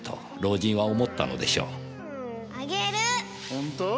本当？